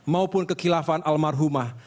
maupun kekilafan almarhumah